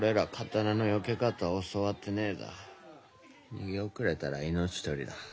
逃げ遅れたら命取りだ。